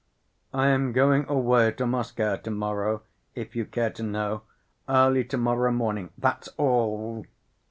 "I am going away to Moscow to‐morrow, if you care to know—early to‐morrow morning. That's all!"